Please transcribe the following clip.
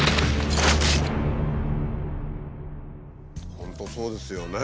本当そうですよね。